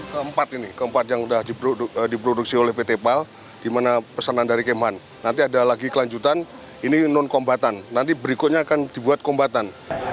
keempat ini keempat yang sudah diproduksi oleh pt pal di mana pesanan dari kemhan nanti ada lagi kelanjutan ini non kombatan nanti berikutnya akan dibuat kombatan